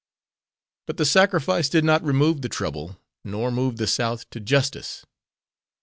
But the sacrifice did not remove the trouble, nor move the South to justice.